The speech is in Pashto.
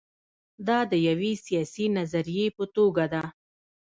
دا د یوې سیاسي نظریې په توګه ده.